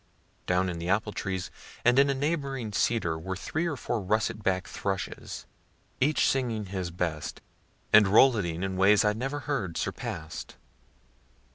Down in the apple trees and in a neighboring cedar were three or four russet back'd thrushes, each singing his best, and roulading in ways I never heard surpass'd.